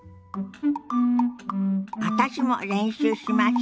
私も練習しましょ。